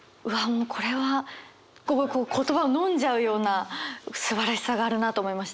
もうこれは言葉をのんじゃうようなすばらしさがあるなと思いました。